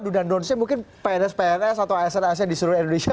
duda ndonsnya mungkin pns pns atau asn asn di seluruh indonesia